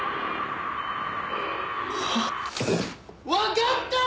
あっわかった！